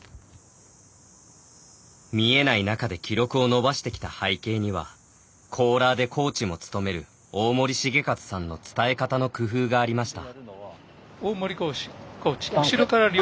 見えない中で記録を伸ばしてきた背景にはコーラーでコーチも務める大森盛一さんの伝え方の工夫がありました。